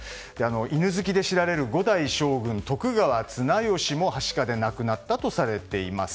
犬好きで知られる５代将軍・徳川綱吉もはしかで亡くなったとされています。